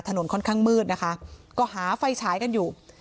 ถนนค่อนข้างมืดนะคะก็หาไฟฉายกันอยู่